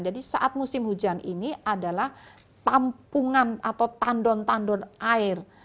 jadi saat musim hujan ini adalah tampungan atau tandon tandon air